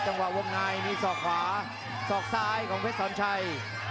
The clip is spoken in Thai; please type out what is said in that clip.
แต่ต้องได้เพชรศัลชัย